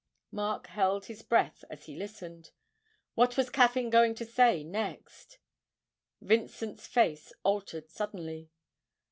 Mark held his breath as he listened; what was Caffyn going to say next? Vincent's face altered suddenly.